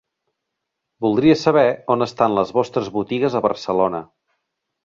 Voldria saber on estan les vostres botigues a Barcelona.